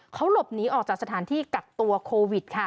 เขาหลบหนีออกจากสถานที่กักตัวโควิดค่ะ